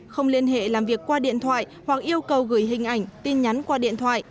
không liên hệ làm việc qua điện thoại hoặc yêu cầu gửi hình ảnh tin nhắn qua điện thoại